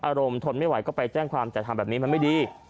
ทนไม่ไหวก็ไปแจ้งความแต่ทำแบบนี้มันไม่ดี